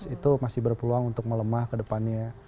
lima belas dua ratus itu masih berpeluang untuk melemah ke depannya